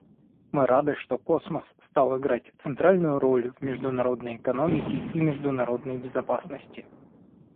Мы рады, что космос стал играть центральную роль в международной экономике и международной безопасности.